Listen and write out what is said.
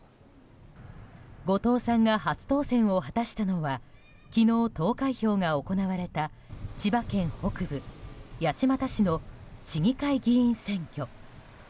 後藤さんが初当選を果たしたのは昨日、投開票が行われた千葉県北部八街市の市議会議員選挙。